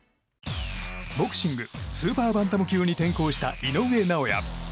ボクシングスーパーバンタム級に転向した井上尚弥。